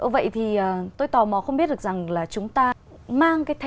vậy thì tôi tò mò không biết được rằng là chúng ta mang cái thêm